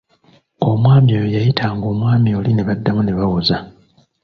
Omwami oyo yayitanga omwami oli ne baddamu ne bawoza.